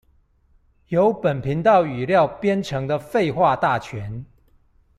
由本頻道語料編成的廢話大全